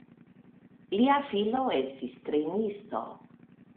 Lia filo estis trejnisto.